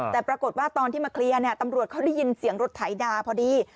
แต่ปรากฏว่าตอนที่มาเคลียร์ตำรวจเขาได้ยินเสียงรถไถดาพอดี